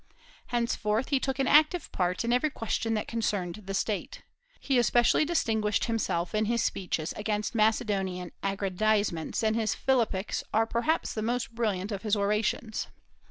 Henceforth he took an active part in every question that concerned the State. He especially distinguished himself in his speeches against Macedonian aggrandizements, and his Philippics are perhaps the most brilliant of his orations.